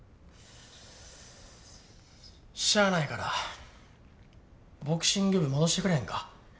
しゃあないからボクシング部戻してくれへんか？